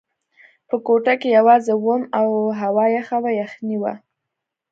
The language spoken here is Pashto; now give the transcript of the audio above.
په کوټه کې یوازې وم او هوا یخه وه، یخنۍ وه.